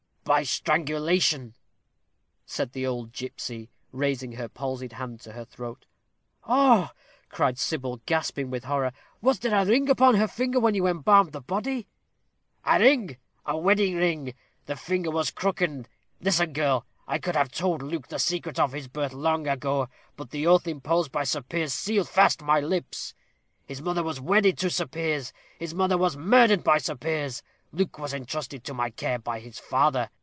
"By strangulation," said the old gipsy, raising her palsied hand to her throat. "Oh!" cried Sybil, gasping with horror. "Was there a ring upon her finger when you embalmed the body?" "A ring a wedding ring! The finger was crookened. Listen, girl, I could have told Luke the secret of his birth long ago, but the oath imposed by Sir Piers sealed fast my lips. His mother was wedded to Sir Piers; his mother was murdered by Sir Piers. Luke was entrusted to my care by his father.